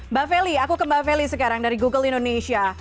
mbak feli aku ke mbak feli sekarang dari google indonesia